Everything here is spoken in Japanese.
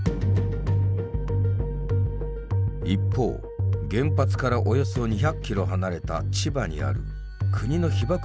一方原発からおよそ２００キロ離れた千葉にある国の被ばく